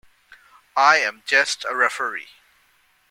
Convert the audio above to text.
I am just a referee.